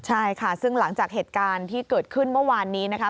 ใช่ค่ะซึ่งหลังจากเหตุการณ์ที่เกิดขึ้นเมื่อวานนี้นะคะ